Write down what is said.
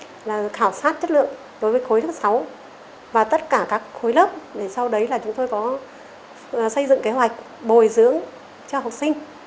và tất cả các khối lớp sau đấy là chúng tôi có xây dựng kế hoạch bồi dưỡng cho học sinh